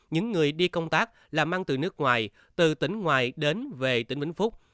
những người đi công tác làm ăn từ nước ngoài từ tỉnh ngoài đến về tỉnh vĩnh phúc